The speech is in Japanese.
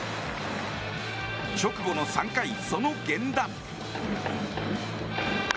直後の３回、その源田。